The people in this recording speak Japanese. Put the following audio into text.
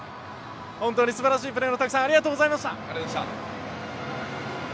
本当に素晴らしいプレーをたくさんありがとうございました。